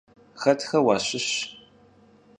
Xetxe vuaşış?